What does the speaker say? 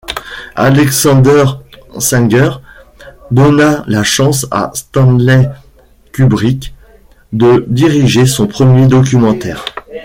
Alexander Singer donna la chance à Stanley Kubrick de diriger son premier documentaire.